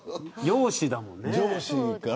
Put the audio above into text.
容姿だもんね。